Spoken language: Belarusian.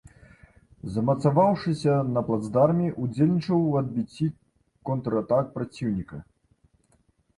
Замацаваўшыся на плацдарме, удзельнічаў у адбіцці контратак праціўніка.